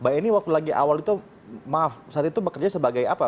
mbak eni waktu lagi awal itu maaf saat itu bekerja sebagai apa